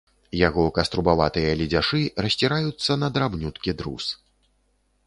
Яго каструбаватыя ледзяшы расціраюцца на драбнюткі друз.